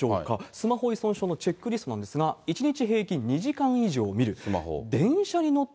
スマホ依存症のチェックリストなんですが、１日平均２時間以上見る。